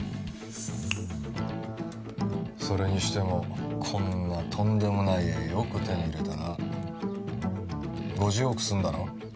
それにしてもこんなとんでもない絵よく手に入れたな５０億するんだろ？